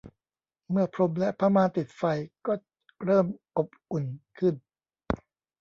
เมื่อพรมและผ้าม่านติดไฟก็เริ่มอบอุ่นขึ้น